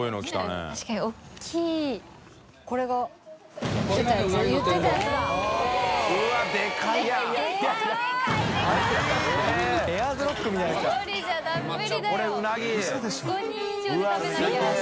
松田）５人以上で食べなきゃ。